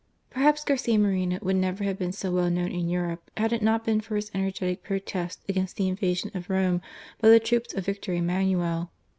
■ PekHAPS Garcia Moreno would never have been so ■well known in Europe had it not been for his ener getic protest against the in\ asion of Rome by the troops of Victor Emmanuel.